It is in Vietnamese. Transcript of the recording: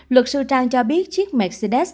luật sư trang cho biết chiếc mercedes